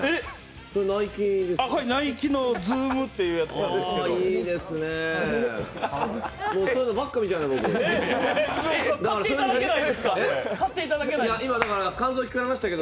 ナイキのズームっていうやつなんですけど。